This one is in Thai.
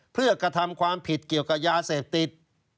เพื่อกระทำความผิดเกี่ยวกับยาเสพติด